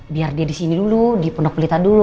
biar dia disini dulu di pendok pelita dulu